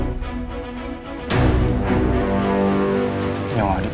tapi ada yang lebih baik